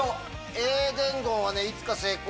「絵伝言」はいつか成功。